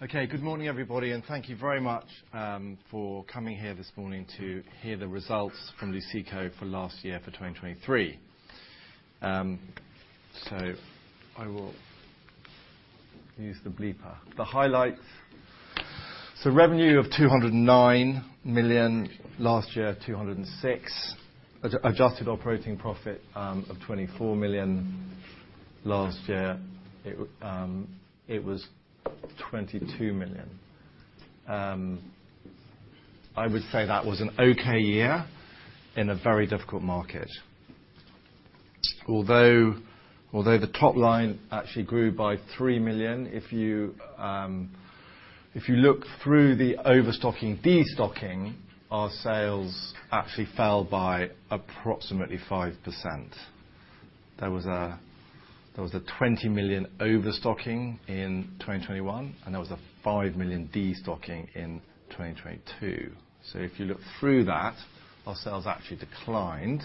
Okay, good morning, everybody, and thank you very much for coming here this morning to hear the results from Luceco for last year, for 2023. So I will use the bleeper. The highlights, so revenue of 209 million, last year, 206 million. Adjusted operating profit of 24 million last year, it was 22 million. I would say that was an okay year in a very difficult market. Although the top line actually grew by 3 million, if you look through the overstocking, destocking, our sales actually fell by approximately 5%. There was a 20 million overstocking in 2021, and there was a 5 million destocking in 2022. So if you look through that, our sales actually declined,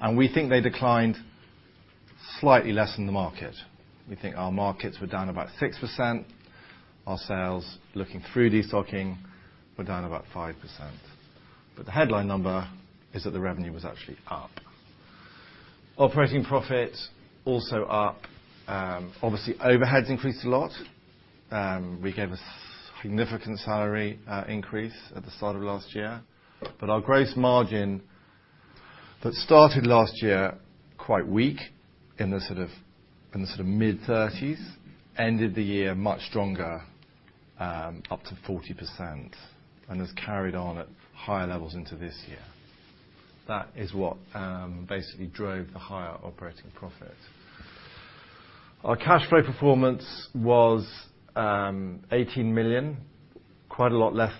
and we think they declined slightly less than the market. We think our markets were down about 6%. Our sales, looking through destocking, were down about 5%. But the headline number is that the revenue was actually up. Operating profit also up. Obviously, overheads increased a lot. We gave a significant salary increase at the start of last year, but our gross margin that started last year quite weak, in the sort of mid-thirties, ended the year much stronger, up to 40%, and has carried on at higher levels into this year. That is what basically drove the higher operating profit. Our cash flow performance was 18 million, quite a lot less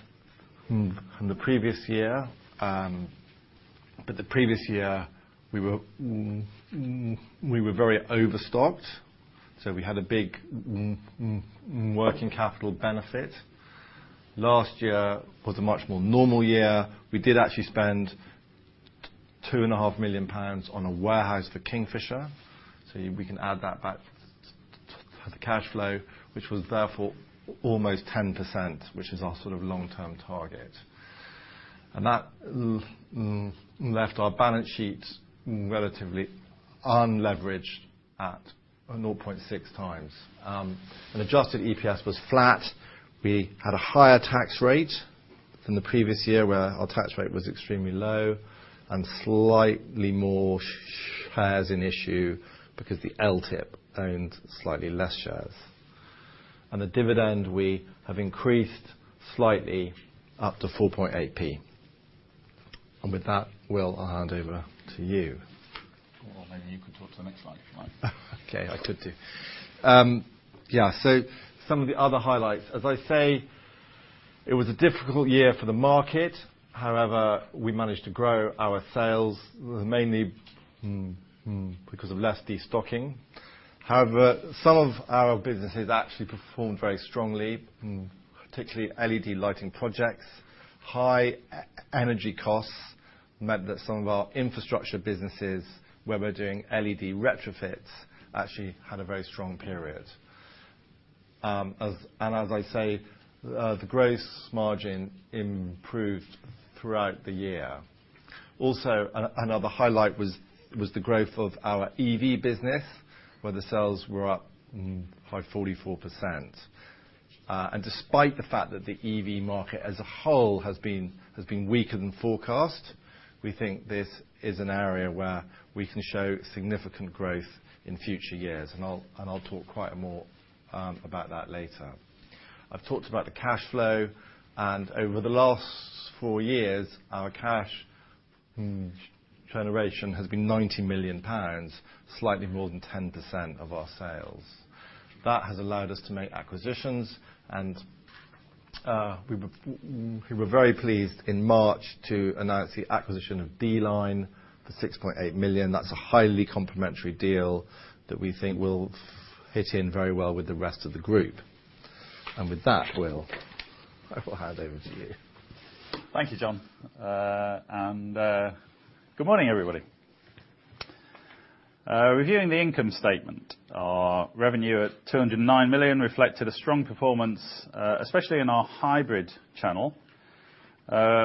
from the previous year. But the previous year, we were very overstocked, so we had a big working capital benefit. Last year was a much more normal year. We did actually spend 2.5 million pounds on a warehouse for Kingfisher, so we can add that back to the cash flow, which was therefore almost 10%, which is our sort of long-term target. And that left our balance sheet relatively unleveraged at 0.6 times. And adjusted EPS was flat. We had a higher tax rate than the previous year, where our tax rate was extremely low, and slightly more shares in issue because the LTIP owned slightly less shares. And the dividend, we have increased slightly up to 4.8p. And with that, Will, I'll hand over to you. Well, maybe you could talk to the next slide, if you like. Okay, I could do. Yeah, so some of the other highlights. As I say, it was a difficult year for the market. However, we managed to grow our sales, mainly because of less destocking. However, some of our businesses actually performed very strongly, particularly LED lighting projects. High energy costs meant that some of our infrastructure businesses, where we're doing LED retrofits, actually had a very strong period. As I say, the gross margin improved throughout the year. Also, another highlight was the growth of our EV business, where the sales were up by 44%. And despite the fact that the EV market as a whole has been weaker than forecast, we think this is an area where we can show significant growth in future years, and I'll talk quite a more about that later. I've talked about the cash flow, and over the last four years, our cash generation has been 90 million pounds, slightly more than 10% of our sales. That has allowed us to make acquisitions, and we were very pleased in March to announce the acquisition of D-Line for 6.8 million. That's a highly complementary deal that we think will fit in very well with the rest of the group. And with that, Will, I will hand over to you. Thank you, John, and good morning, everybody. Reviewing the income statement, our revenue at 209 million reflected a strong performance, especially in our hybrid channel,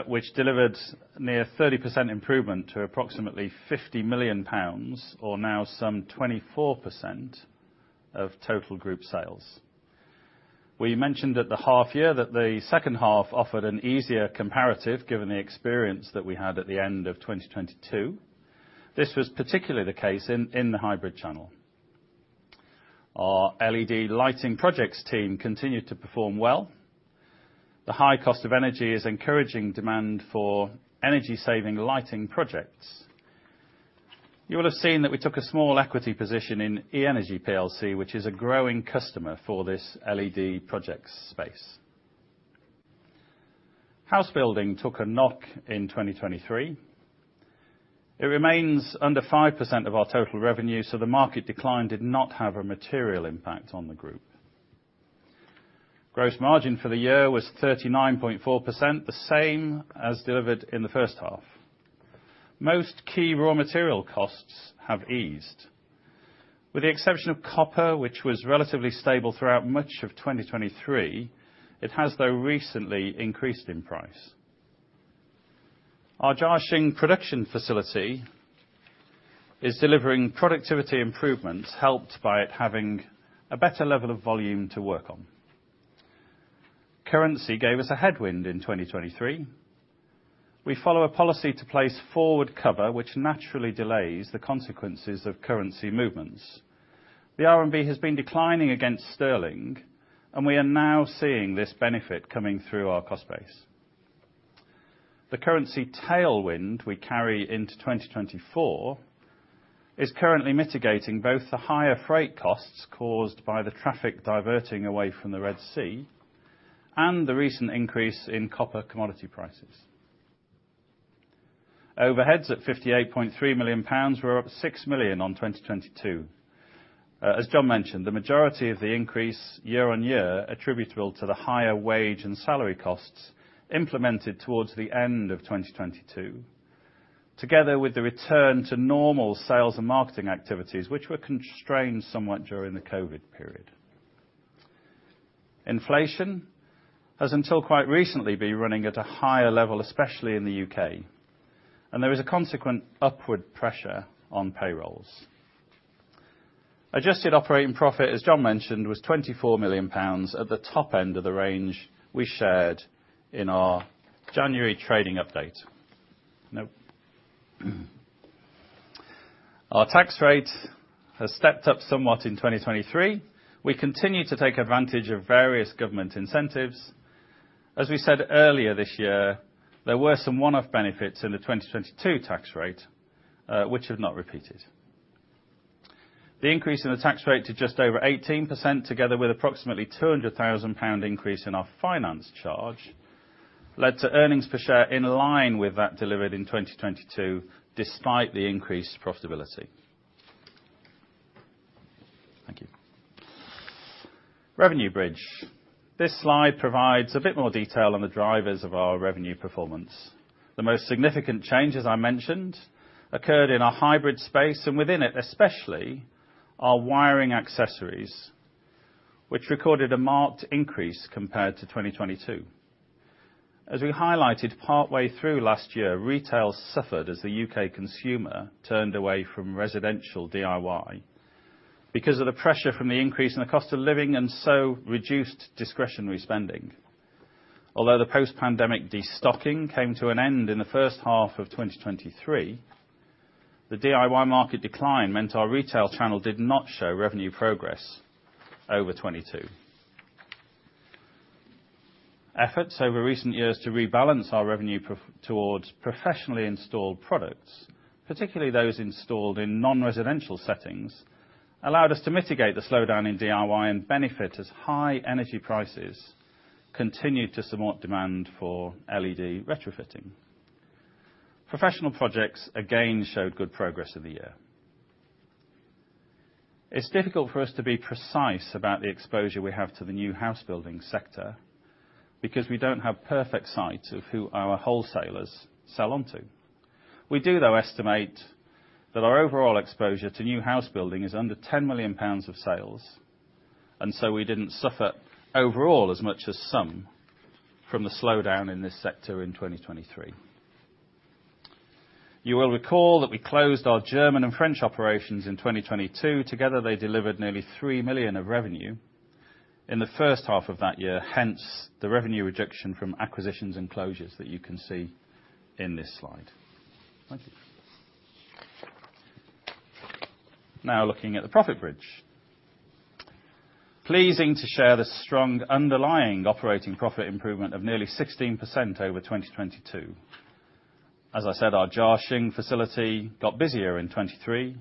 which delivered near 30% improvement to approximately 50 million pounds or now some 24% of total group sales. We mentioned at the half year that the second half offered an easier comparative, given the experience that we had at the end of 2022. This was particularly the case in the hybrid channel. Our LED lighting projects team continued to perform well. The high cost of energy is encouraging demand for energy-saving lighting projects. You will have seen that we took a small equity position in eEnergy plc, which is a growing customer for this LED projects space. House building took a knock in 2023. It remains under 5% of our total revenue, so the market decline did not have a material impact on the group. Gross margin for the year was 39.4%, the same as delivered in the first half. Most key raw material costs have eased. With the exception of copper, which was relatively stable throughout much of 2023, it has, though, recently increased in price. Our Jiaxing production facility is delivering productivity improvements, helped by it having a better level of volume to work on. Currency gave us a headwind in 2023. We follow a policy to place forward cover, which naturally delays the consequences of currency movements. The RMB has been declining against sterling, and we are now seeing this benefit coming through our cost base. The currency tailwind we carry into 2024 is currently mitigating both the higher freight costs caused by the traffic diverting away from the Red Sea, and the recent increase in copper commodity prices. Overheads at 58.3 million pounds were up 6 million on 2022. As John mentioned, the majority of the increase year-on-year attributable to the higher wage and salary costs implemented towards the end of 2022, together with the return to normal sales and marketing activities, which were constrained somewhat during the COVID period. Inflation has, until quite recently, been running at a higher level, especially in the U.K., and there is a consequent upward pressure on payrolls. Adjusted operating profit, as John mentioned, was 24 million pounds, at the top end of the range we shared in our January trading update. Now, our tax rate has stepped up somewhat in 2023. We continue to take advantage of various government incentives. As we said earlier this year, there were some one-off benefits in the 2022 tax rate, which have not repeated. The increase in the tax rate to just over 18%, together with approximately 200,000 pound increase in our finance charge, led to earnings per share in line with that delivered in 2022, despite the increased profitability. Thank you. Revenue bridge. This slide provides a bit more detail on the drivers of our revenue performance. The most significant change, as I mentioned, occurred in our hybrid space, and within it, especially our wiring accessories, which recorded a marked increase compared to 2022. As we highlighted partway through last year, retail suffered as the U.K. consumer turned away from residential DIY because of the pressure from the increase in the cost of living and so reduced discretionary spending. Although the post-pandemic destocking came to an end in the first half of 2023, the DIY market decline meant our retail channel did not show revenue progress over 2022. Efforts over recent years to rebalance our revenue profile towards professionally installed products, particularly those installed in non-residential settings, allowed us to mitigate the slowdown in DIY and benefit as high energy prices continued to somewhat demand for LED retrofitting. Professional projects again showed good progress in the year. It's difficult for us to be precise about the exposure we have to the new house building sector, because we don't have perfect sight of who our wholesalers sell onto. We do, though, estimate that our overall exposure to new house building is under 10 million pounds of sales, and so we didn't suffer overall as much as some from the slowdown in this sector in 2023. You will recall that we closed our German and French operations in 2022. Together, they delivered nearly 3 million of revenue in the first half of that year, hence the revenue reduction from acquisitions and closures that you can see in this slide. Thank you. Now, looking at the profit bridge. Pleasing to share the strong underlying operating profit improvement of nearly 16% over 2022. As I said, our Jiaxing facility got busier in 2023.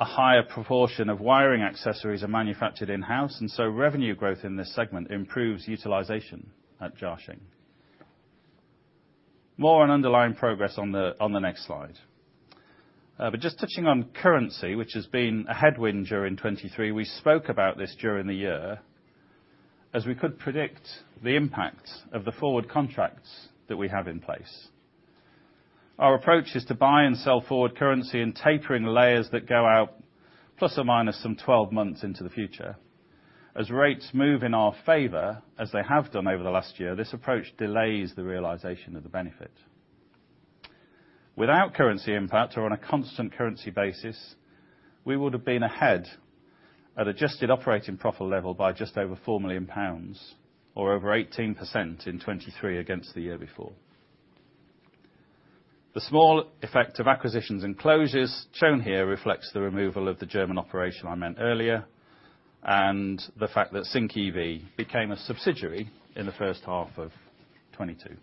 A higher proportion of wiring accessories are manufactured in-house, and so revenue growth in this segment improves utilization at Jiaxing. More on underlying progress on the next slide. But just touching on currency, which has been a headwind during 2023, we spoke about this during the year as we could predict the impact of the forward contracts that we have in place. Our approach is to buy and sell forward currency and tapering layers that go out ± some 12 months into the future. As rates move in our favor, as they have done over the last year, this approach delays the realization of the benefit. Without currency impact or on a constant currency basis, we would have been ahead at adjusted operating profit level by just over 4 million pounds or over 18% in 2023 against the year before. The small effect of acquisitions and closures shown here reflects the removal of the German operation I meant earlier, and the fact that Sync EV became a subsidiary in the first half of 2022.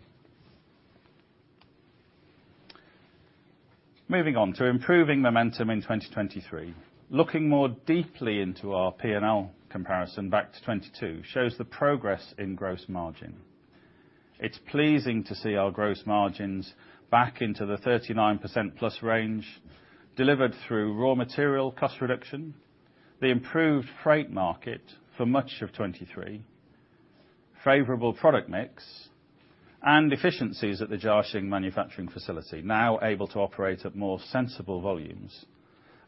Moving on to improving momentum in 2023. Looking more deeply into our P&L comparison back to 2022 shows the progress in gross margin. It's pleasing to see our gross margins back into the 39%+ range, delivered through raw material cost reduction, the improved freight market for much of 2023, favorable product mix and efficiencies at the Jiaxing manufacturing facility, now able to operate at more sensible volumes,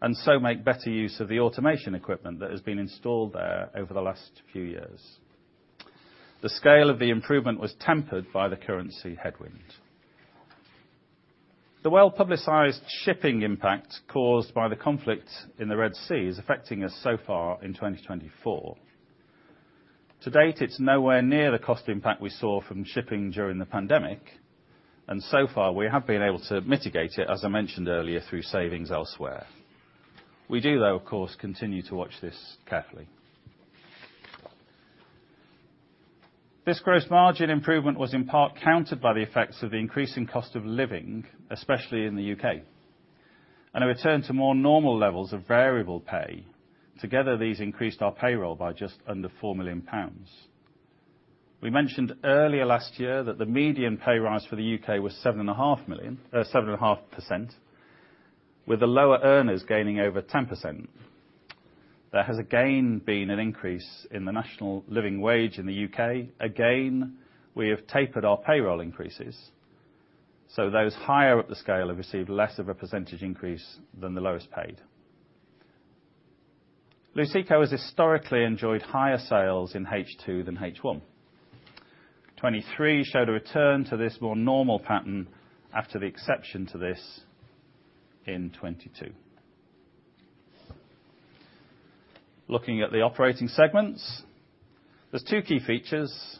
and so make better use of the automation equipment that has been installed there over the last few years. The scale of the improvement was tempered by the currency headwind. The well-publicized shipping impact caused by the conflict in the Red Sea is affecting us so far in 2024. To date, it's nowhere near the cost impact we saw from shipping during the pandemic, and so far we have been able to mitigate it, as I mentioned earlier, through savings elsewhere. We do, though, of course, continue to watch this carefully. This gross margin improvement was in part countered by the effects of the increasing cost of living, especially in the U.K., and a return to more normal levels of variable pay. Together, these increased our payroll by just under 4 million pounds. We mentioned earlier last year that the median pay rise for the U.K. was 7.5 million, 7.5%, with the lower earners gaining over 10%. There has again been an increase in the national living wage in the U.K. Again, we have tapered our payroll increases, so those higher up the scale have received less of a percentage increase than the lowest paid. Luceco has historically enjoyed higher sales in H2 than H1. 2023 showed a return to this more normal pattern after the exception to this in 2022. Looking at the operating segments, there's two key features.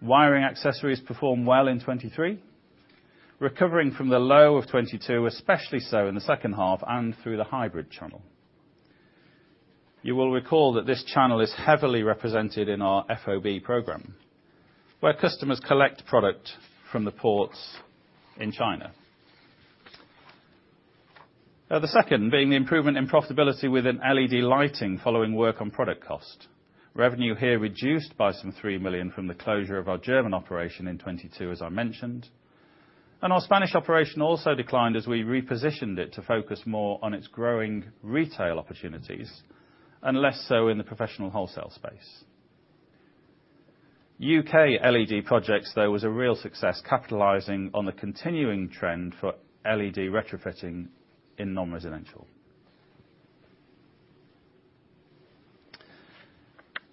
Wiring accessories performed well in 2023, recovering from the low of 2022, especially so in the second half and through the hybrid channel. You will recall that this channel is heavily represented in our FOB program, where customers collect product from the ports in China. Now, the second being the improvement in profitability within LED lighting following work on product cost. Revenue here reduced by some 3 million from the closure of our German operation in 2022, as I mentioned, and our Spanish operation also declined as we repositioned it to focus more on its growing retail opportunities and less so in the professional wholesale space. UK LED projects, though, was a real success, capitalizing on the continuing trend for LED retrofitting in non-residential.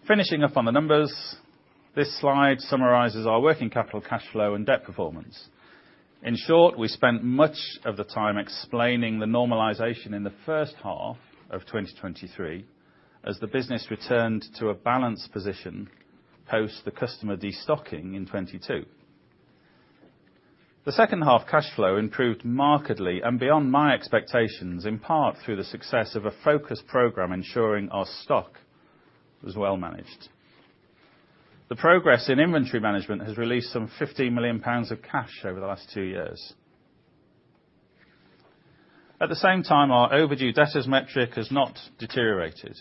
Finishing up on the numbers, this slide summarizes our working capital, cash flow, and debt performance. In short, we spent much of the time explaining the normalization in the first half of 2023 as the business returned to a balanced position post the customer destocking in 2022. The second half cash flow improved markedly and beyond my expectations, in part through the success of a focused program ensuring our stock was well managed. The progress in inventory management has released some 50 million pounds of cash over the last 2 years. At the same time, our overdue debtors metric has not deteriorated.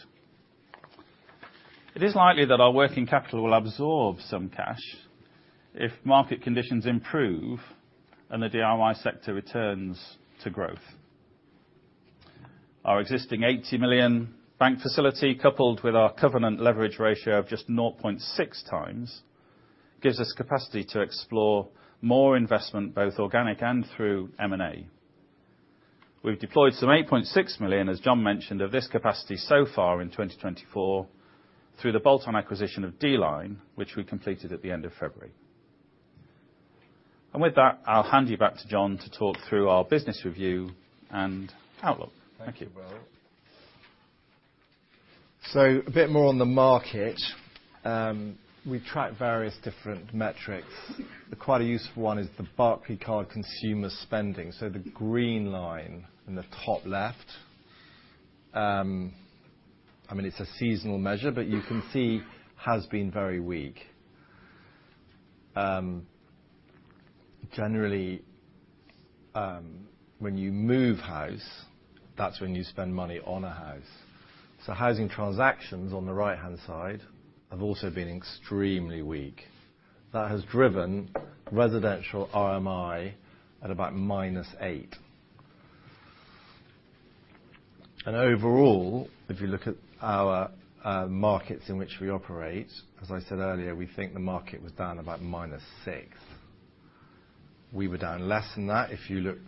It is likely that our working capital will absorb some cash if market conditions improve and the DIY sector returns to growth. Our existing 80 million bank facility, coupled with our covenant leverage ratio of just 0.6 times, gives us capacity to explore more investment, both organic and through M&A. We've deployed some 8.6 million, as John mentioned, of this capacity so far in 2024 through the bolt-on acquisition of D-Line, which we completed at the end of February. And with that, I'll hand you back to John to talk through our business review and outlook. Thank you. Thank you, Will. So a bit more on the market. We track various different metrics. Quite a useful one is the Barclaycard Consumer Spending. So the green line in the top left, I mean, it's a seasonal measure, but you can see has been very weak. Generally, when you move house, that's when you spend money on a house. So housing transactions on the right-hand side have also been extremely weak. That has driven residential RMI at about -8. And overall, if you look at our markets in which we operate, as I said earlier, we think the market was down about -6. We were down less than that if you look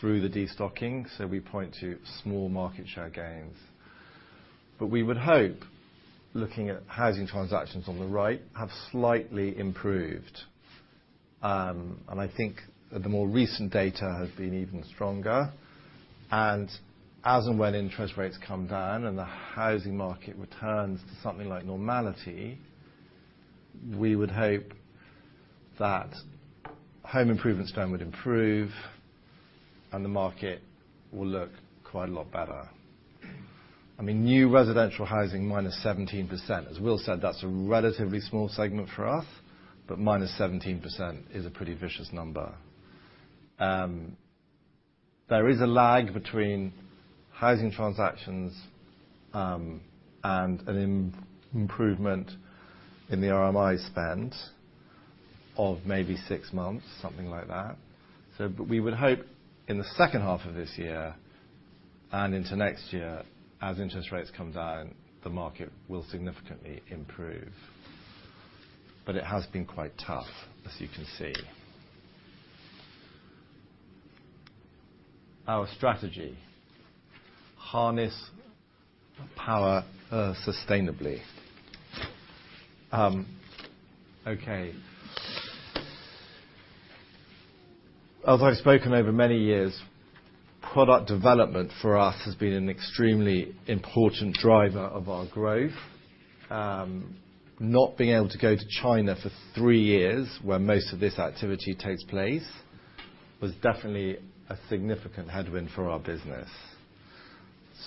through the destocking, so we point to small market share gains. But we would hope, looking at housing transactions on the right, have slightly improved. And I think that the more recent data has been even stronger. And as and when interest rates come down and the housing market returns to something like normality, we would hope that home improvement spend would improve and the market will look quite a lot better. I mean, new residential housing, minus 17%. As Will said, that's a relatively small segment for us, but minus 17% is a pretty vicious number. There is a lag between housing transactions, and an improvement in the RMI spend of maybe six months, something like that. So but we would hope in the second half of this year, and into next year, as interest rates come down, the market will significantly improve. But it has been quite tough, as you can see. Our strategy: harness power, sustainably. Okay. As I've spoken over many years, product development for us has been an extremely important driver of our growth. Not being able to go to China for three years, where most of this activity takes place, was definitely a significant headwind for our business.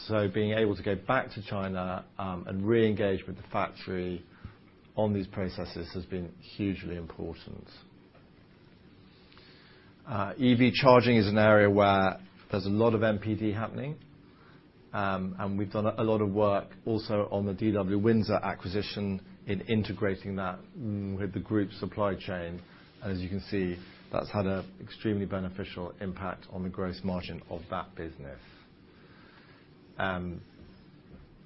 So being able to go back to China, and re-engage with the factory on these processes has been hugely important. EV charging is an area where there's a lot of NPD happening. We've done a lot of work also on the DW Windsor acquisition, in integrating that with the group supply chain. As you can see, that's had an extremely beneficial impact on the gross margin of that business.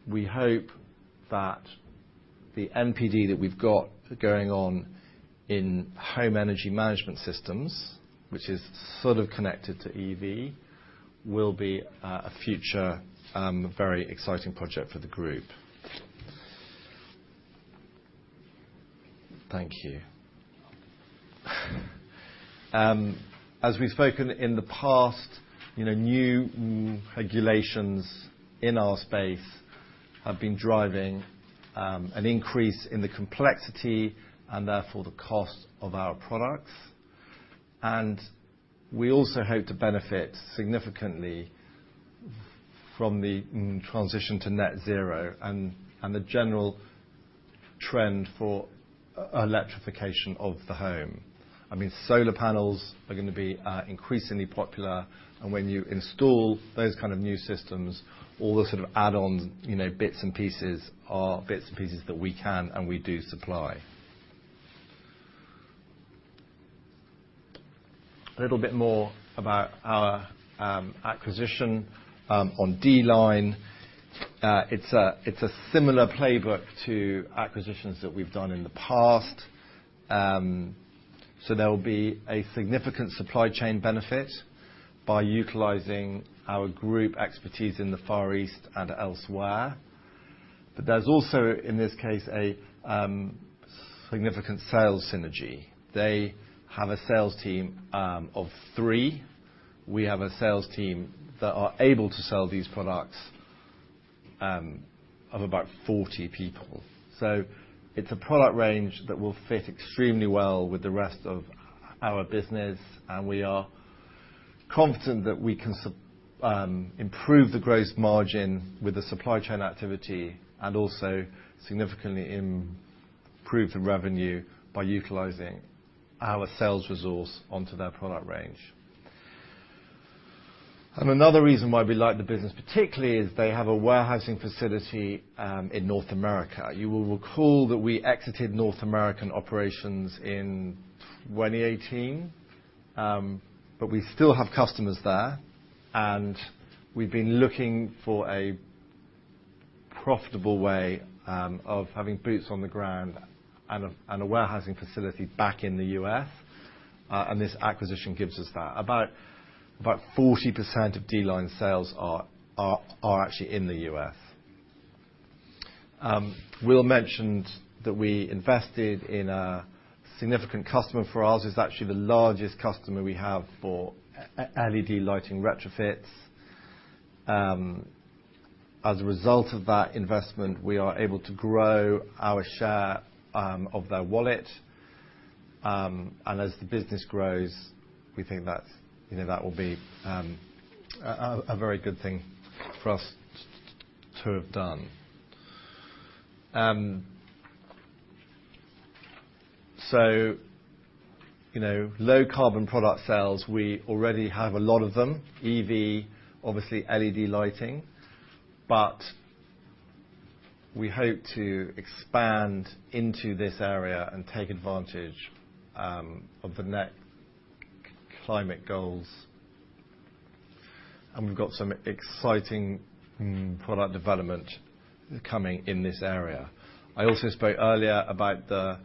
We hope that the NPD that we've got going on in home energy management systems, which is sort of connected to EV, will be a future very exciting project for the group. Thank you. As we've spoken in the past, you know, new regulations in our space have been driving an increase in the complexity, and therefore, the cost of our products. And we also hope to benefit significantly from the transition to net zero, and the general trend for electrification of the home. I mean, solar panels are going to be increasingly popular, and when you install those kind of new systems, all the sort of add-ons, you know, bits and pieces, are bits and pieces that we can and we do supply. A little bit more about our acquisition on D-Line. It's a similar playbook to acquisitions that we've done in the past. So there will be a significant supply chain benefit by utilizing our group expertise in the Far East and elsewhere. But there's also, in this case, a significant sales synergy. They have a sales team of three. We have a sales team that are able to sell these products of about 40 people. So it's a product range that will fit extremely well with the rest of our business, and we are confident that we can improve the gross margin with the supply chain activity, and also significantly improve the revenue by utilizing our sales resource onto their product range. Another reason why we like the business, particularly, is they have a warehousing facility in North America. You will recall that we exited North American operations in 2018, but we still have customers there, and we've been looking for a profitable way of having boots on the ground and a warehousing facility back in the U.S., and this acquisition gives us that. About 40% of D-Line sales are actually in the U.S. Will mentioned that we invested in a significant customer of ours, who's actually the largest customer we have for LED lighting retrofits. As a result of that investment, we are able to grow our share of their wallet. And as the business grows, we think that, you know, that will be a very good thing for us to have done. So, you know, low-carbon product sales, we already have a lot of them. EV, obviously, LED lighting, but we hope to expand into this area and take advantage of the Net Zero goals, and we've got some exciting product development coming in this area. I also spoke earlier about the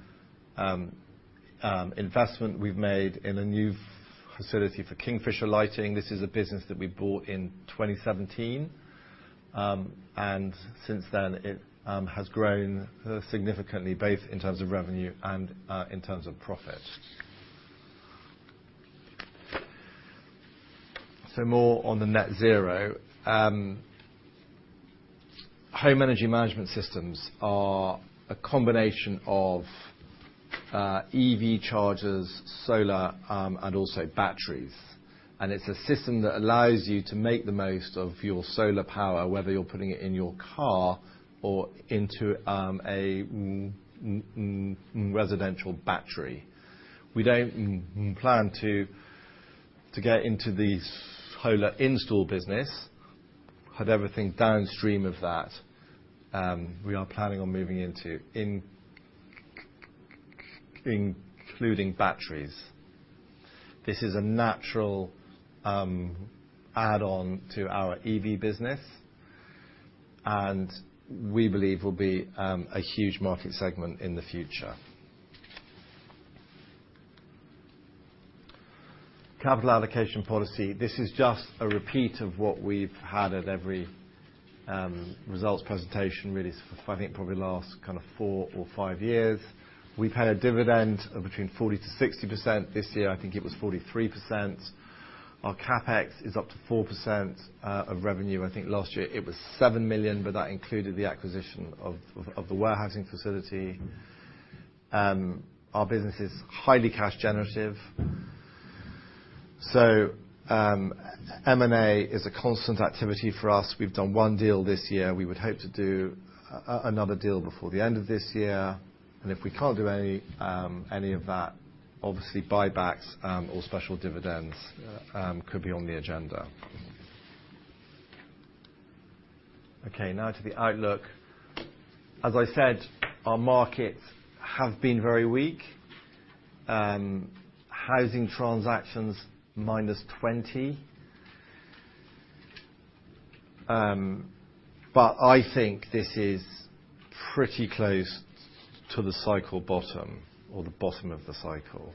investment we've made in a new facility for Kingfisher Lighting. This is a business that we bought in 2017, and since then, it has grown significantly, both in terms of revenue and in terms of profit. So more on the Net Zero. Home Energy Management Systems are a combination of EV chargers, solar, and also batteries. And it's a system that allows you to make the most of your solar power, whether you're putting it in your car or into a residential battery. We don't plan to get into the solar install business... but everything downstream of that, we are planning on moving into including batteries. This is a natural, add-on to our EV business, and we believe will be, a huge market segment in the future. Capital allocation policy. This is just a repeat of what we've had at every, results presentation, really, for I think probably last kind of four or five years. We've had a dividend of between 40%-60%. This year, I think it was 43%. Our CapEx is up to 4% of revenue. I think last year it was 7 million, but that included the acquisition of the warehousing facility. Our business is highly cash generative. So, M&A is a constant activity for us. We've done one deal this year. We would hope to do another deal before the end of this year, and if we can't do any of that, obviously, buybacks or special dividends could be on the agenda. Okay, now to the outlook. As I said, our markets have been very weak. Housing transactions, -20. But I think this is pretty close to the cycle bottom or the bottom of the cycle.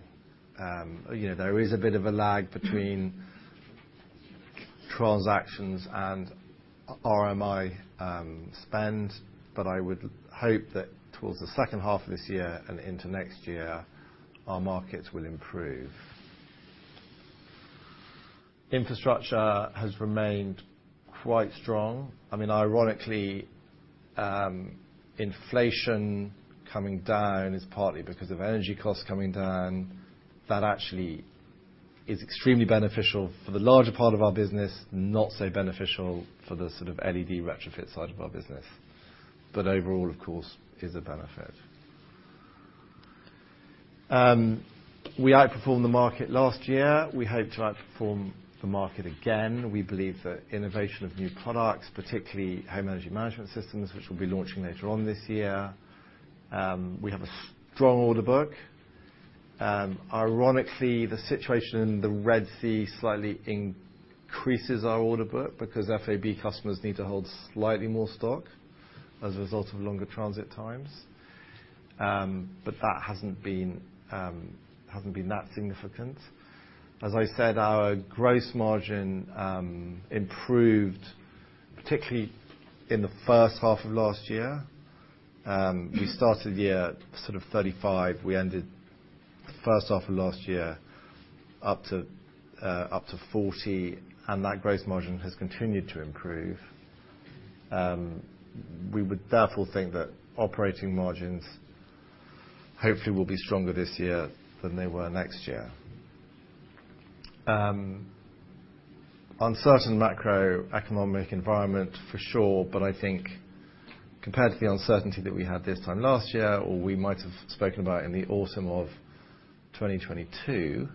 You know, there is a bit of a lag between transactions and RMI spend, but I would hope that towards the second half of this year and into next year, our markets will improve. Infrastructure has remained quite strong. I mean, ironically, inflation coming down is partly because of energy costs coming down. That actually is extremely beneficial for the larger part of our business, not so beneficial for the sort of LED retrofit side of our business, but overall, of course, is a benefit. We outperformed the market last year. We hope to outperform the market again. We believe that innovation of new products, particularly home energy management systems, which we'll be launching later on this year, we have a strong order book. Ironically, the situation in the Red Sea slightly increases our order book because FOB customers need to hold slightly more stock as a result of longer transit times. But that hasn't been that significant. As I said, our gross margin improved, particularly in the first half of last year. We started the year at sort of 35%. We ended the first half of last year up to 40%, and that gross margin has continued to improve. We would therefore think that operating margins hopefully will be stronger this year than they were next year. Uncertain macroeconomic environment for sure, but I think compared to the uncertainty that we had this time last year, or we might have spoken about in the autumn of 2022,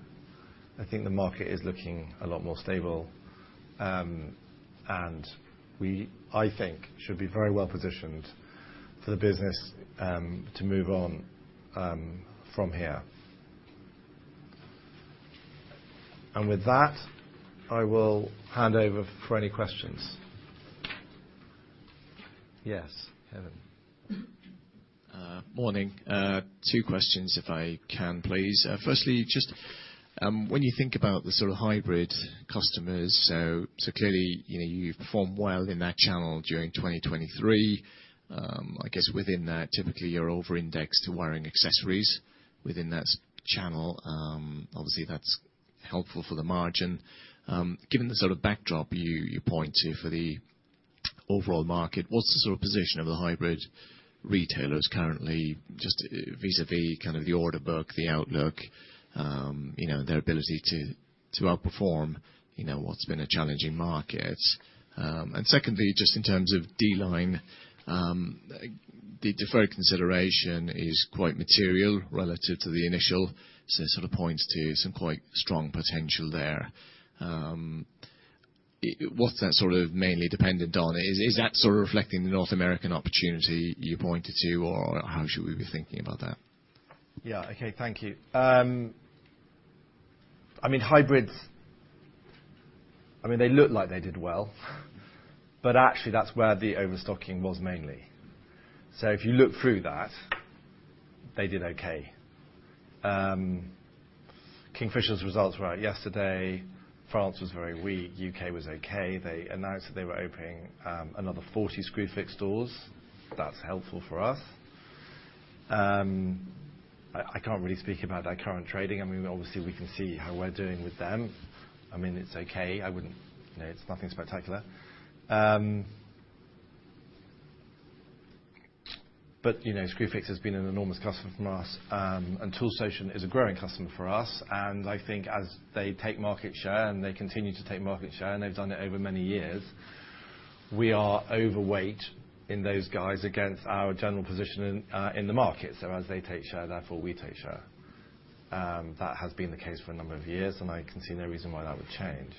I think the market is looking a lot more stable. And we, I think, should be very well positioned for the business to move on from here. With that, I will hand over for any questions. Yes, Kevin? Morning. Two questions, if I can, please. Firstly, just, when you think about the sort of hybrid customers, so clearly, you know, you've performed well in that channel during 2023. I guess within that, typically, you're over-indexed to wiring accessories within that channel. Obviously, that's helpful for the margin. Given the sort of backdrop you point to for the overall market, what's the sort of position of the hybrid retailers currently, just vis-à-vis, kind of the order book, the outlook, you know, their ability to outperform, you know, what's been a challenging market? And secondly, just in terms of D-Line, the deferred consideration is quite material relative to the initial. So it sort of points to some quite strong potential there. What's that sort of mainly dependent on? Is that sort of reflecting the North American opportunity you pointed to, or how should we be thinking about that? Yeah, okay. Thank you. I mean, hybrids, I mean, they look like they did well, but actually, that's where the overstocking was mainly. So if you look through that, they did okay. Kingfisher's results were out yesterday. France was very weak. U.K. was okay. They announced that they were opening another 40 Screwfix stores. That's helpful for us. I can't really speak about their current trading. I mean, obviously, we can see how we're doing with them. I mean, it's okay. I wouldn't... You know, it's nothing spectacular. But, you know, Screwfix has been an enormous customer from us, and Toolstation is a growing customer for us, and I think as they take market share, and they continue to take market share, and they've done it over many years, we are overweight in those guys against our general position in the market. So as they take share, therefore we take share. That has been the case for a number of years, and I can see no reason why that would change.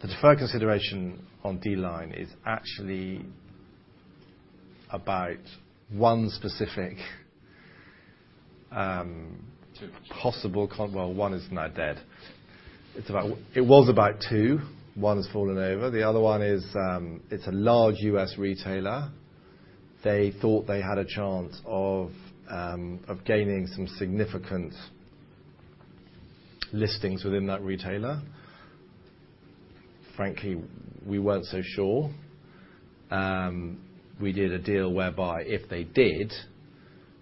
The deferred consideration on D-Line is actually about one specific possible, well, one is now dead. It's about. It was about two. One's fallen over, the other one is, it's a large U.S. retailer. They thought they had a chance of gaining some significant listings within that retailer. Frankly, we weren't so sure. We did a deal whereby, if they did,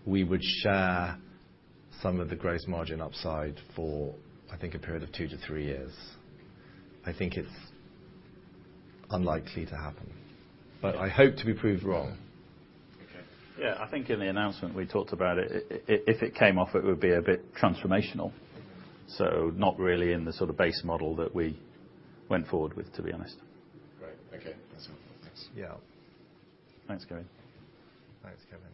we would share some of the gross margin upside for, I think, a period of 2-3 years. I think it's unlikely to happen, but I hope to be proved wrong. Yeah, I think in the announcement, we talked about it. If it came off, it would be a bit transformational. So not really in the sort of base model that we went forward with, to be honest. Great. Okay, that's all. Thanks. Yeah. Thanks, Kevin.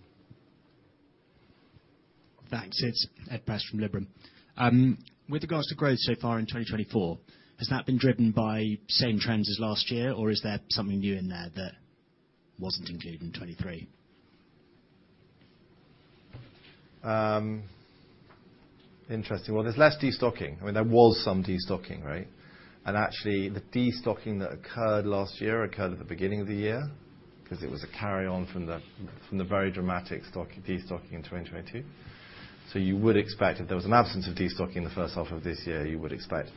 Thanks, it's Ed Bass from Liberum. With regards to growth so far in 2024, has that been driven by same trends as last year, or is there something new in there that wasn't included in 2023? Interesting. Well, there's less destocking. I mean, there was some destocking, right? And actually, the destocking that occurred last year occurred at the beginning of the year because it was a carry-on from the, from the very dramatic stock destocking in 2022. So you would expect that there was an absence of destocking in the first half of this year. You would expect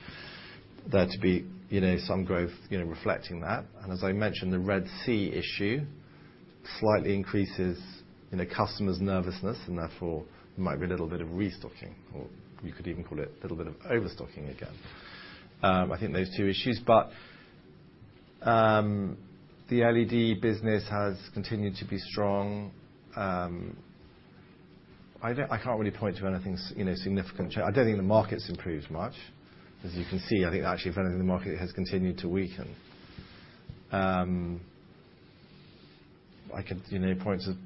there to be, you know, some growth, you know, reflecting that. And as I mentioned, the Red Sea issue slightly increases, you know, customers' nervousness, and therefore, there might be a little bit of restocking, or you could even call it a little bit of overstocking again. I think those two issues, but, the LED business has continued to be strong. I don't-- I can't really point to anything you know, significant. I don't think the market's improved much. As you can see, I think actually, if anything, the market has continued to weaken. I could, you know, point to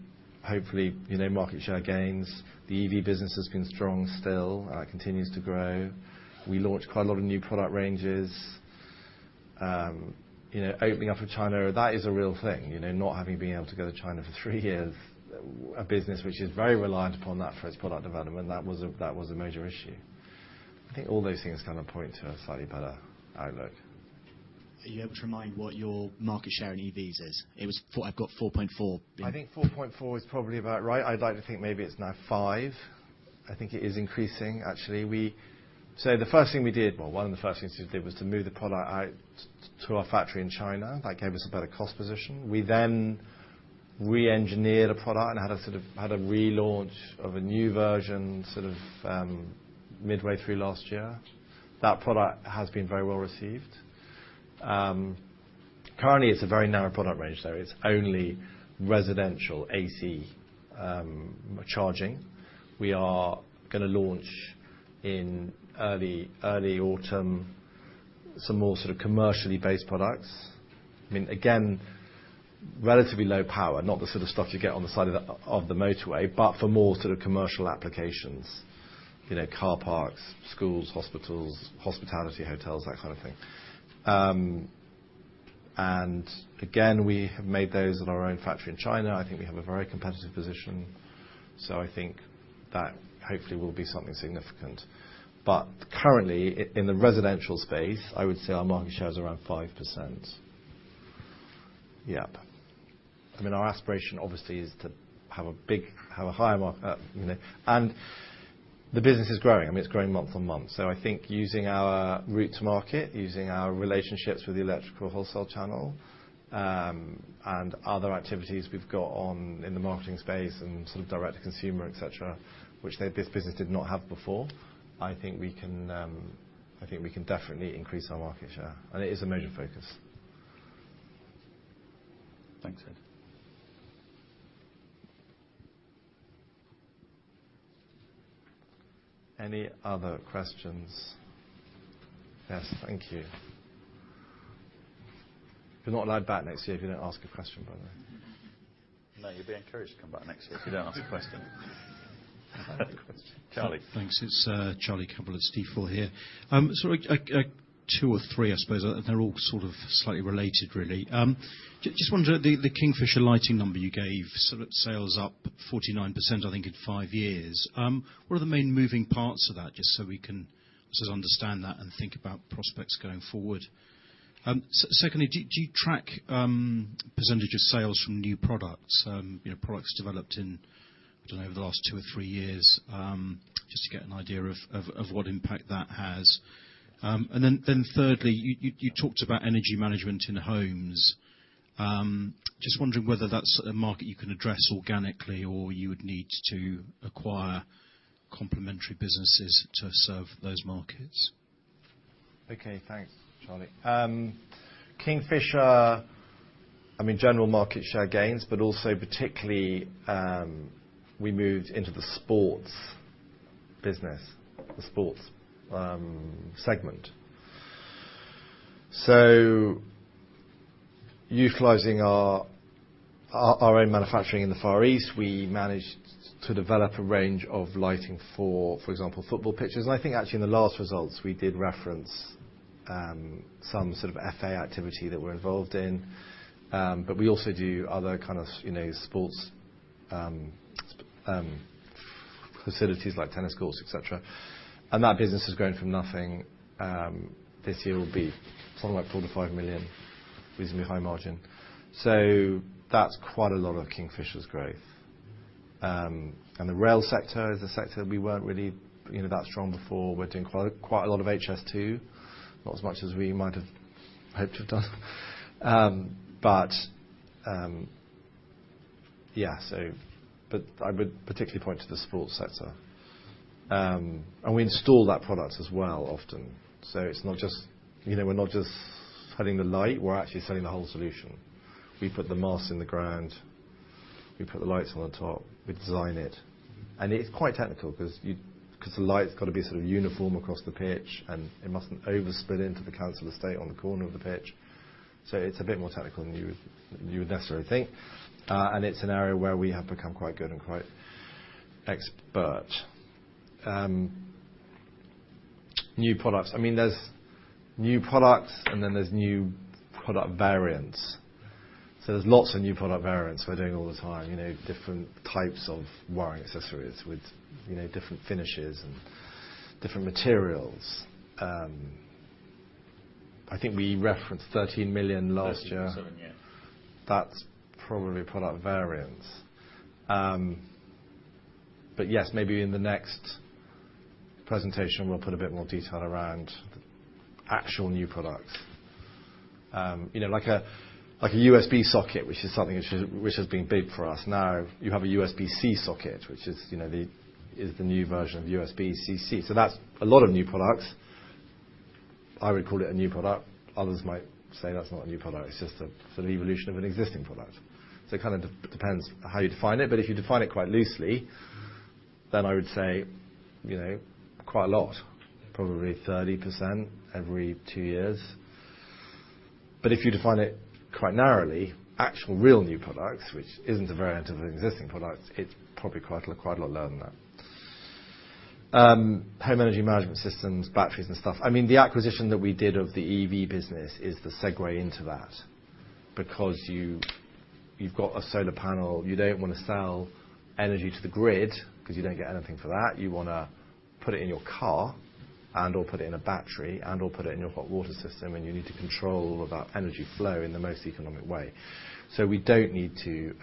hopefully, you know, market share gains. The EV business has been strong, still, continues to grow. We launched quite a lot of new product ranges. You know, opening up for China, that is a real thing. You know, not having been able to go to China for three years, a business which is very reliant upon that for its product development, that was a major issue. I think all those things kind of point to a slightly better outlook. Are you able to remind what your market share in EVs is? It was 4... I've got 4.4. I think 4.4 is probably about right. I'd like to think maybe it's now 5. I think it is increasing. Actually, so the first thing we did, well, one of the first things we did was to move the product out to our factory in China. That gave us a better cost position. We then reengineered a product and had a sort of relaunch of a new version, sort of, midway through last year. That product has been very well received. Currently, it's a very narrow product range, though. It's only residential AC charging. We are going to launch in early autumn, some more sort of commercially based products. I mean, again, relatively low power, not the sort of stuff you get on the side of the motorway, but for more sort of commercial applications, you know, car parks, schools, hospitals, hospitality, hotels, that kind of thing. And again, we have made those at our own factory in China. I think we have a very competitive position, so I think that hopefully will be something significant. But currently, in the residential space, I would say our market share is around 5%. Yep. I mean, our aspiration obviously is to have a big, have a higher mark, you know, and the business is growing. I mean, it's growing month-on-month. So I think using our route to market, using our relationships with the electrical wholesale channel, and other activities we've got on in the marketing space and sort of direct to consumer, et cetera, which they, this business did not have before, I think we can, I think we can definitely increase our market share, and it is a major focus. Thanks. Any other questions? Yes, thank you. You're not allowed back next year if you don't ask a question, by the way. No, you're being encouraged to come back next year if you don't ask a question. Charlie. Thanks. It's Charlie Campbell of Stifel here. Sort of two or three, I suppose, they're all sort of slightly related really. Just wonder, the Kingfisher Lighting number you gave, sort of sales up 49%, I think, in five years, what are the main moving parts of that? Just so we can sort of understand that and think about prospects going forward. Secondly, do you track percentage of sales from new products, you know, products developed in, I don't know, over the last two or three years, just to get an idea of what impact that has. And then thirdly, you talked about energy management in homes. Just wondering whether that's a market you can address organically, or you would need to acquire complementary businesses to serve those markets. Okay. Thanks, Charlie. Kingfisher, I mean, general market share gains, but also particularly, we moved into the sports business, the sports segment. So utilizing our own manufacturing in the Far East, we managed to develop a range of lighting for, for example, football pitches. And I think actually in the last results, we did reference some sort of FA activity that we're involved in. But we also do other kind of, you know, sports facilities like tennis courts, et cetera. And that business has grown from nothing. This year will be something like 4 million-5 million, reasonably high margin. So that's quite a lot of Kingfisher's growth. And the rail sector is a sector we weren't really, you know, that strong before. We're doing quite, quite a lot of HS2, not as much as we might have hoped to have done. But I would particularly point to the sports sector. And we install that product as well, often. So it's not just, you know, we're not just selling the light, we're actually selling the whole solution. We put the masts in the ground, we put the lights on the top, we design it, and it's quite technical because the light's got to be sort of uniform across the pitch, and it mustn't overspill into the council estate on the corner of the pitch. So it's a bit more technical than you would necessarily think. And it's an area where we have become quite good and quite expert. New products. I mean, there's new products, and then there's new product variants. So there's lots of new product variants we're doing all the time, you know, different types of wiring accessories with, you know, different finishes and different materials. I think we referenced 13 million last year. That's probably product variants. But yes, maybe in the next presentation, we'll put a bit more detail around actual new products. You know, like a USB socket, which is something which has been big for us. Now, you have a USB-C socket, which is, you know, the new version of USB-C. So that's a lot of new products. I would call it a new product. Others might say, "That's not a new product. It's just a sort of evolution of an existing product." So it kind of depends how you define it, but if you define it quite loosely, then I would say, you know, quite a lot, probably 30% every two years. But if you define it quite narrowly, actual real new products, which isn't a variant of an existing product, it's probably quite a lot lower than that. Home energy management systems, batteries and stuff. I mean, the acquisition that we did of the EV business is the segue into that, because you've got a solar panel. You don't want to sell energy to the grid, because you don't get anything for that. You want to put it in your car and/or put it in a battery and/or put it in your hot water system, and you need to control all of that energy flow in the most economic way. So we don't need to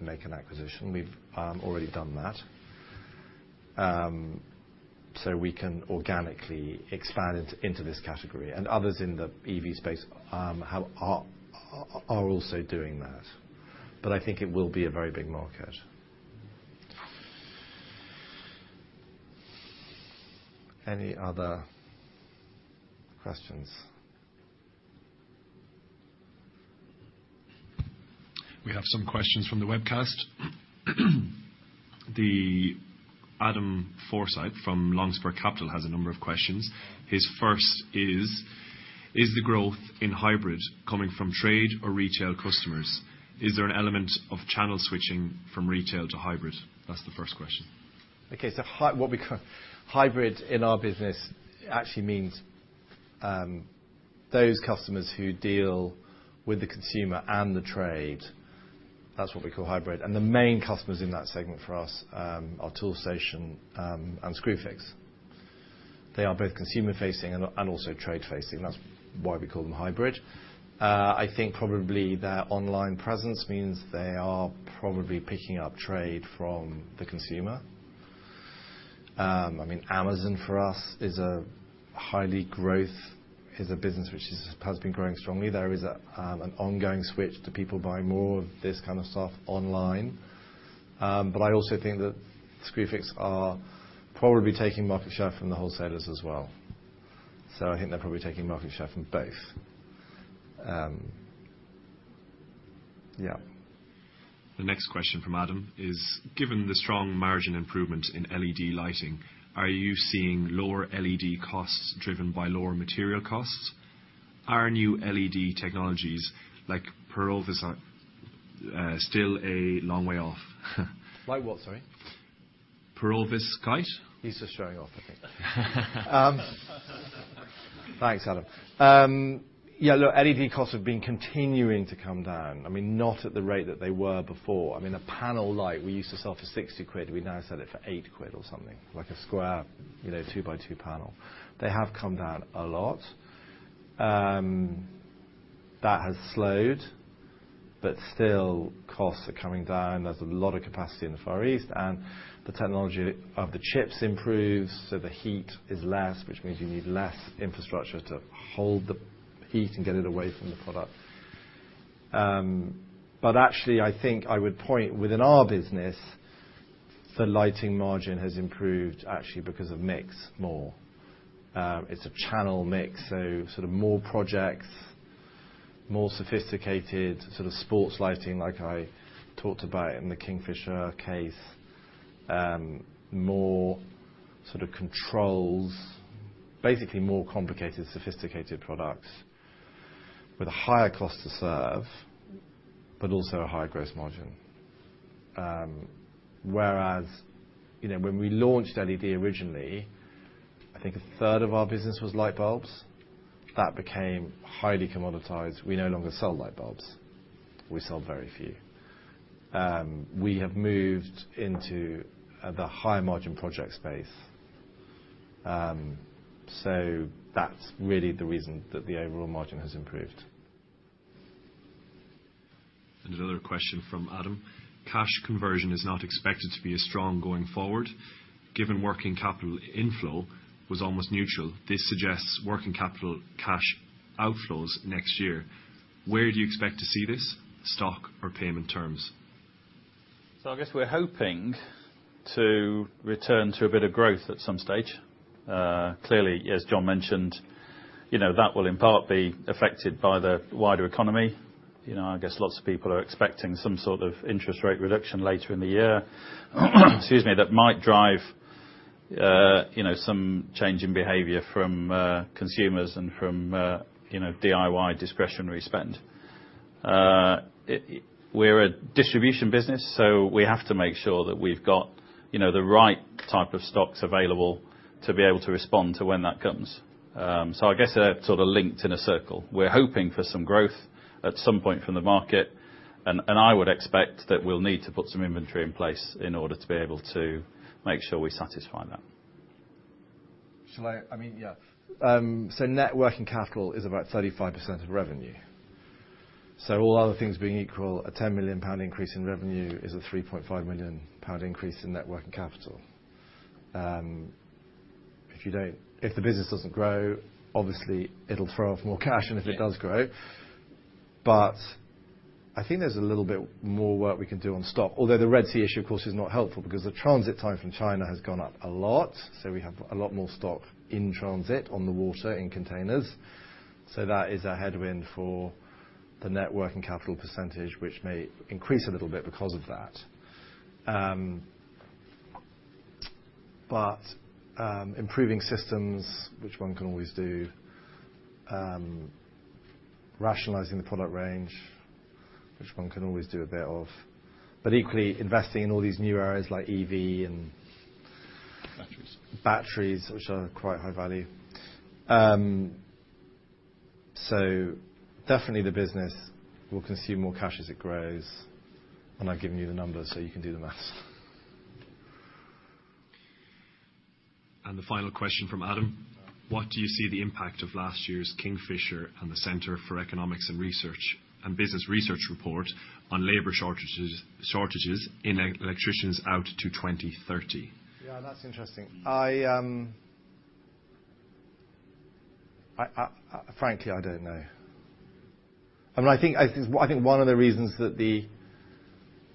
make an acquisition. We've already done that. So we can organically expand into this category and others in the EV space are also doing that, but I think it will be a very big market. Any other questions? We have some questions from the webcast. Adam Forsyth from Longspur Capital has a number of questions. His first is: Is the growth in hybrid coming from trade or retail customers? Is there an element of channel switching from retail to hybrid? That's the first question. Okay, so what we call Hybrid in our business actually means those customers who deal with the consumer and the trade. That's what we call hybrid. And the main customers in that segment for us are Toolstation and Screwfix. They are both consumer-facing and also trade-facing. That's why we call them hybrid. I think probably their online presence means they are probably picking up trade from the consumer. I mean, Amazon, for us, is a high growth, is a business which has been growing strongly. There is an ongoing switch to people buying more of this kind of stuff online. But I also think that Screwfix are probably taking market share from the wholesalers as well. So I think they're probably taking market share from both. Yeah. The next question from Adam is: Given the strong margin improvement in LED lighting, are you seeing lower LED costs driven by lower material costs? Are new LED technologies like Perovskite still a long way off? Like what, sorry? Perovskite. He's just showing off, I think. Thanks, Adam. Yeah, look, LED costs have been continuing to come down. I mean, not at the rate that they were before. I mean, a panel light we used to sell for 60 quid, we now sell it for 8 quid or something, like a square, you know, 2-by-2 panel. They have come down a lot. That has slowed, but still costs are coming down. There's a lot of capacity in the Far East, and the technology of the chips improves, so the heat is less, which means you need less infrastructure to hold the heat and get it away from the product. But actually, I think I would point, within our business, the lighting margin has improved actually because of mix more. It's a channel mix, so sort of more projects-... more sophisticated sort of sports lighting, like I talked about in the Kingfisher case. More sort of controls, basically more complicated, sophisticated products with a higher cost to serve, but also a higher gross margin. Whereas, you know, when we launched LED originally, I think a third of our business was light bulbs. That became highly commoditized. We no longer sell light bulbs. We sell very few. We have moved into the high margin project space. So that's really the reason that the overall margin has improved. Another question from Adam: Cash conversion is not expected to be as strong going forward, given working capital inflow was almost neutral. This suggests working capital cash outflows next year. Where do you expect to see this, stock or payment terms? So I guess we're hoping to return to a bit of growth at some stage. Clearly, as John mentioned, you know, that will in part be affected by the wider economy. You know, I guess lots of people are expecting some sort of interest rate reduction later in the year, excuse me, that might drive, you know, some change in behavior from consumers and from, you know, DIY discretionary spend. We're a distribution business, so we have to make sure that we've got, you know, the right type of stocks available to be able to respond to when that comes. So I guess they're sort of linked in a circle. We're hoping for some growth at some point from the market, and I would expect that we'll need to put some inventory in place in order to be able to make sure we satisfy that. I mean, yeah. So net working capital is about 35% of revenue. So all other things being equal, a 10 million pound increase in revenue is a 3.5 million pound increase in net working capital. If the business doesn't grow, obviously, it'll throw off more cash than if it does grow. But I think there's a little bit more work we can do on stock, although the Red Sea issue, of course, is not helpful because the transit time from China has gone up a lot, so we have a lot more stock in transit, on the water, in containers. So that is a headwind for the net working capital percentage, which may increase a little bit because of that. but, improving systems, which one can always do, rationalizing the product range, which one can always do a bit of, but equally, investing in all these new areas like EV and- Batteries. -batteries, which are quite high value. So definitely the business will consume more cash as it grows, and I've given you the numbers, so you can do the math. The final question from Adam: What do you see the impact of last year's Kingfisher on the Center for Economics and Business Research report on labor shortages, shortages in electricians out to 2030? Yeah, that's interesting. I frankly don't know. I mean, I think one of the reasons that the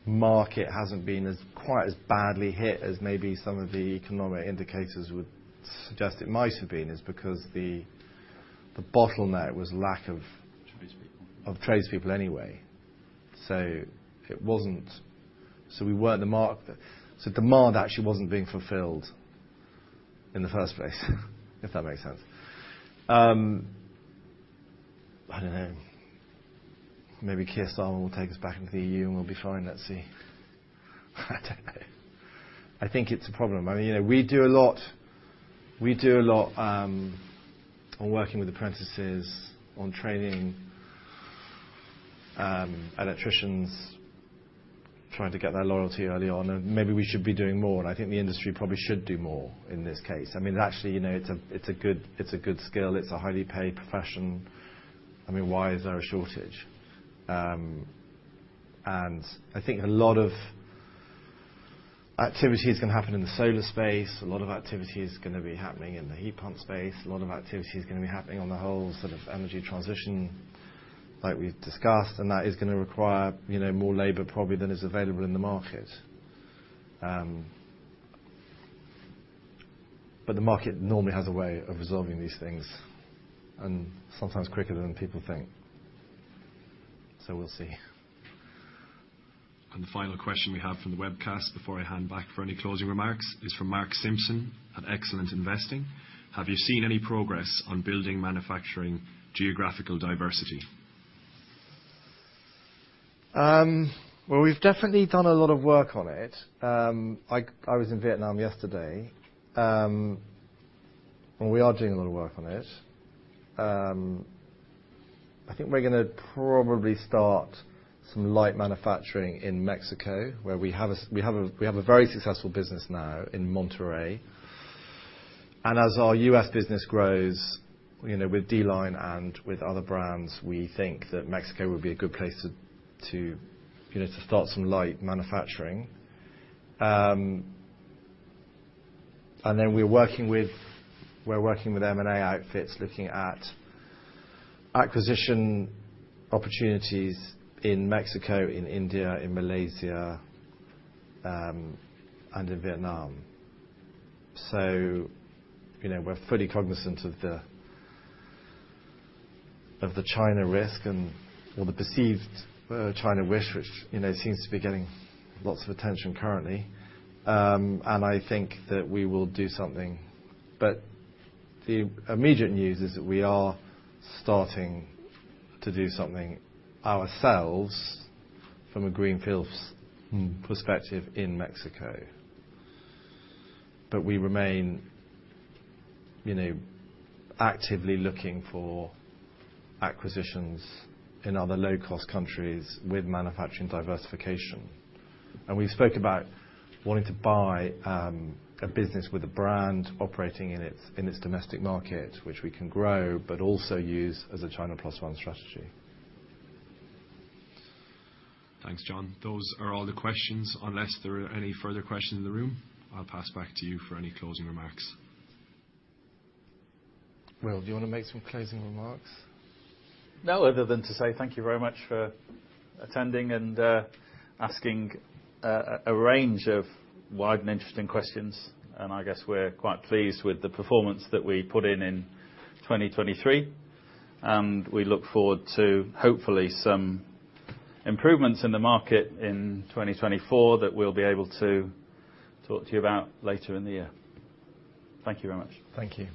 market hasn't been quite as badly hit as maybe some of the economic indicators would suggest it might have been is because the bottleneck was lack of- Tradespeople... of tradespeople anyway. So demand actually wasn't being fulfilled in the first place, if that makes sense. I don't know. Maybe Keir Starmer will take us back into the EU, and we'll be fine. Let's see. I don't know. I think it's a problem. I mean, you know, we do a lot, we do a lot, on working with apprentices, on training, electricians, trying to get their loyalty early on, and maybe we should be doing more, and I think the industry probably should do more in this case. I mean, actually, you know, it's a, it's a good, it's a good skill. It's a highly paid profession. I mean, why is there a shortage? And I think a lot of activity is going to happen in the solar space. A lot of activity is gonna be happening in the heat pump space. A lot of activity is gonna be happening on the whole sort of energy transition, like we've discussed, and that is gonna require, you know, more labor, probably than is available in the market. But the market normally has a way of resolving these things, and sometimes quicker than people think. So we'll see. The final question we have from the webcast, before I hand back for any closing remarks, is from Mark Simpson at Excellent Investing: Have you seen any progress on building, manufacturing, geographical diversity? Well, we've definitely done a lot of work on it. I was in Vietnam yesterday. And we are doing a lot of work on it. I think we're gonna probably start some light manufacturing in Mexico, where we have a very successful business now in Monterrey. And as our U.S. business grows, you know, with D-Line and with other brands, we think that Mexico would be a good place to, you know, to start some light manufacturing. And then we're working with M&A outfits, looking at acquisition opportunities in Mexico, in India, in Malaysia, and in Vietnam. So, you know, we're fully cognizant of the China risk and, or the perceived China risk, which, you know, seems to be getting lots of attention currently. I think that we will do something, but the immediate news is that we are starting to do something ourselves from a greenfield perspective in Mexico. We remain, you know, actively looking for acquisitions in other low-cost countries with manufacturing diversification. We spoke about wanting to buy a business with a brand operating in its domestic market, which we can grow, but also use as a China plus one strategy. Thanks, John. Those are all the questions. Unless there are any further questions in the room, I'll pass back to you for any closing remarks. Will, do you want to make some closing remarks? No, other than to say thank you very much for attending and asking a range of wide and interesting questions. And I guess we're quite pleased with the performance that we put in in 2023, and we look forward to, hopefully, some improvements in the market in 2024 that we'll be able to talk to you about later in the year. Thank you very much. Thank you.